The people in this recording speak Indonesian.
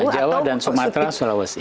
jawa dan sumatera sulawesi